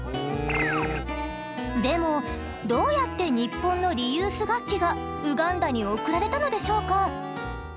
でもどうやってニッポンのリユース楽器がウガンダに送られたのでしょうか？